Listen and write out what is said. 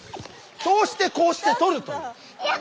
そうしてこうしてとるという。